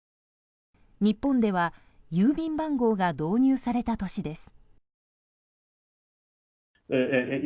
日本では郵便番号が導入された年です。